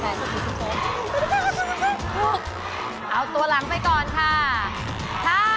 เอาตัวหลังไปก่อนค่ะ